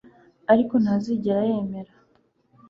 ariko ntazigera yemera